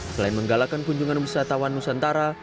selain menggalakkan kunjungan wisatawan nusantara